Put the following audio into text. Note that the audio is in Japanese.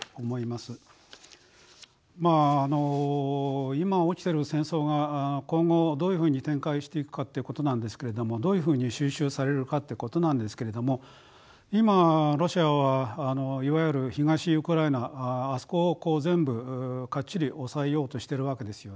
まああの今起きてる戦争が今後どういうふうに展開していくかってことなんですけれどもどういうふうに収拾されるかってことなんですけれども今ロシアはいわゆる東ウクライナあそこをこう全部がっちり押さえようとしてるわけですよね。